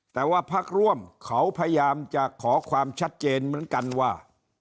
แต่ว่าพักร่วมเขาพยายามจะขอความชัดเจนเหมือนกันว่า